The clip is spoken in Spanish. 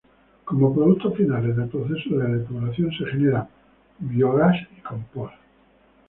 Como productos finales del proceso de depuración se generan biogás y compost.